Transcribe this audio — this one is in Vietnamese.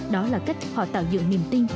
đó là cách họ tạo dựng niềm tin